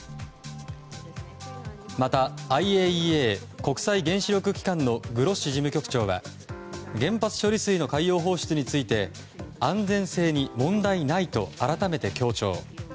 またＩＡＥＡ・国際原子力機関のグロッシ事務局長は原発処理水の海洋放出について安全性に問題ないと改めて強調。